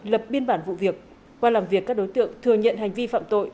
lập biên bản vụ việc qua làm việc các đối tượng thừa nhận hành vi phạm tội